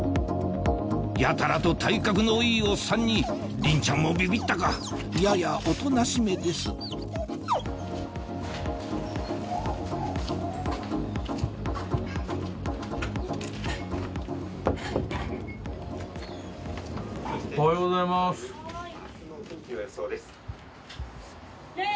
やたらと体格のいいおっさんにリンちゃんもビビったかややおとなしめです・はい・・ねぇ！